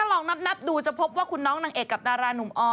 นี่ถ้ารองนับนั่งเดิมดูจะพบว่าคุณน้องหนังเอกกับดาราหนุ่มออ